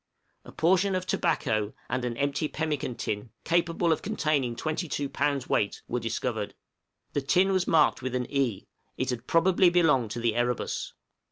A portion of tobacco and an empty pemmican tin, capable of containing 22 pounds weight, were discovered. The tin was marked with an E; it had probably belonged to the 'Erebus.'